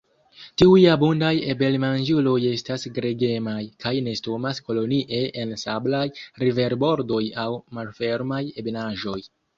Tiuj abundaj abelmanĝuloj estas gregemaj, kaj nestumas kolonie en sablaj riverbordoj aŭ malfermaj ebenaĵoj.